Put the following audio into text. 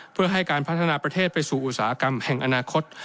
เพื่อให้การพัฒนาประเทศไปสู่อุตสาหกรรมแห่งอนาคต